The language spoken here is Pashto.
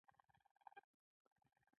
له لارې سره ډېر بلد و.